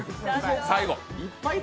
最後。